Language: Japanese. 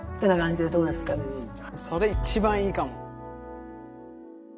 それ一番いいかも。